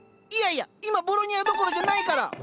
いやいや今ボロニアどころじゃないから。